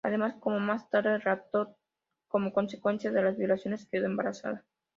Además, como más tarde relató, como consecuencia de las violaciones quedó embarazada.